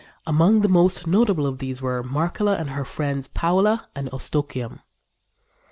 Among the most notable of these were Marcella and her friends, Paula and Eustochium.